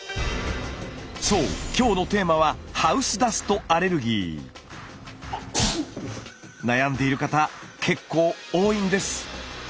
そう今日のテーマは悩んでいる方結構多いんです。